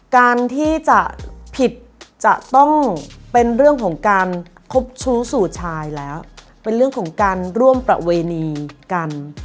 การที่จะผิดจะต้องเป็นเรื่องของการคบชู้สู่ชายแล้วเป็นเรื่องของการร่วมประเวณีกัน